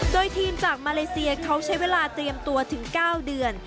โดยทีมจากมาเลเซียเขาใช้เวลาเตรียมตัวถึง๙เดือน